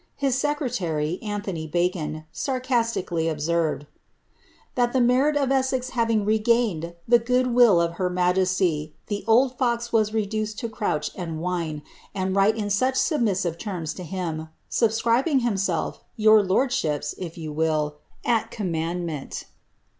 His secretary, Antony Bacon, sarcastically observed, d«t the merit of Essex having regained the good will of her majesty, the oli fox was reduced to crouch and whine, and write in such submisfirt terms to him, subscribing himself, your lordship^s, if you will, at coal man dment."